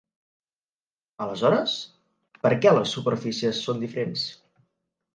Aleshores, per què les superfícies són diferents?